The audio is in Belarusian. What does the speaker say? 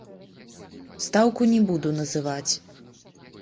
Стаўку не буду называць.